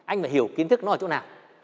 anh phải hiểu kiến thức nó ở chỗ nào